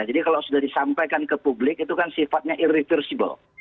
jadi kalau sudah disampaikan ke publik itu kan sifatnya irreversible